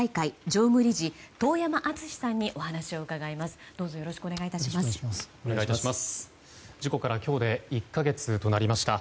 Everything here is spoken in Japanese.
容疑者事故から今日で１か月となりました。